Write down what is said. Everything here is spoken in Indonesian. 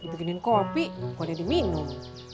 gitu ginian kopi kok ada di minum